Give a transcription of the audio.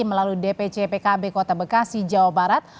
melalui dpjpkb kota bekasi jawa barat